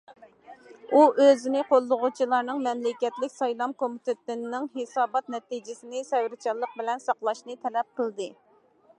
ئۇ ئۆزىنى قوللىغۇچىلارنىڭ مەملىكەتلىك سايلام كومىتېتىنىڭ ھېسابات نەتىجىسىنى سەۋرچانلىق بىلەن ساقلاشنى تەلەپ قىلدى.